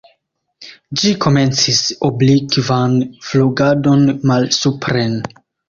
Ĝi komencis oblikvan flugadon malsupren.